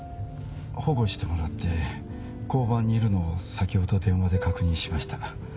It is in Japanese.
保護してもらって交番にいるのを先ほど電話で確認しました。